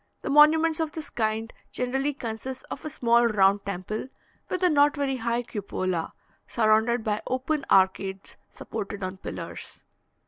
The monuments of this kind generally consist of a small round temple, with a not very high cupola, surrounded by open arcades supported on pillars.